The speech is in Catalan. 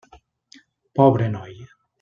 Pobre noi!